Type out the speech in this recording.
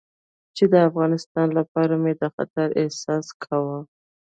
چې د افغانستان لپاره مې د خطر احساس کاوه.